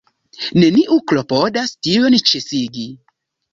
Neniu klopodas tiujn ĉesigi.